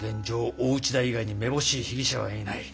大内田以外にめぼしい被疑者はいない。